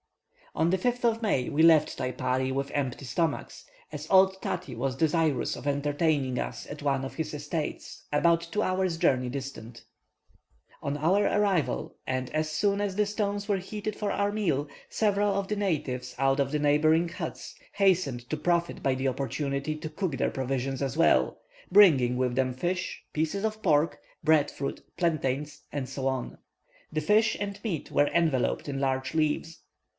On the 5th of May, we left Taipari with empty stomachs, as old Tati was desirous of entertaining us at one of his estates about two hours' journey distant. On our arrival, and as soon as the stones were heated for our meal, several of the natives out of the neighbouring huts hastened to profit by the opportunity to cook their provisions as well, bringing with them fish, pieces of pork, bread fruit, plantains, and so on. The fish and meat were enveloped in large leaves.